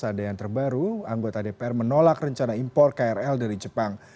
ada yang terbaru anggota dpr menolak rencana impor krl dari jepang